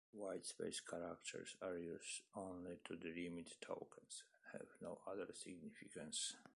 Whitespace characters are used only to delimit tokens, and have no other significance.